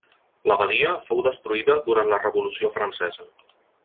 L'abadia fou destruïda durant la Revolució Francesa.